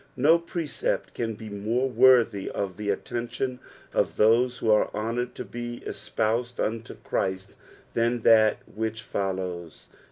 Ko precept can be more worthy of the attention of those who arc honoured lobe espoused unto Christ than that which follows.